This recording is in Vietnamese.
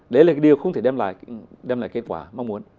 đấy là điều không thể đem lại kết quả mong muốn